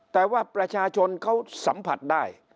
แต่ว่าประชาชนเขาสัมผัสได้